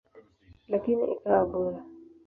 Lakini ikawa bure.